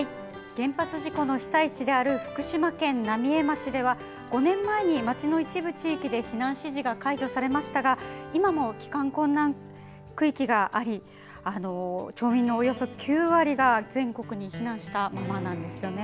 原発事故の被災地である福島県浪江町では５年前に、町の一部地域で避難指示が解除されましたが今も帰還困難区域があり町民のおよそ９割が全国に避難したままです。